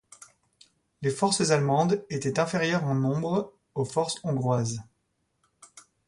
Les forces allemandes étaient inférieures en nombre aux forces hongroises.